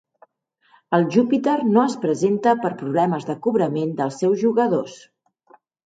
El Júpiter no es presenta per problemes de cobrament dels seus jugadors.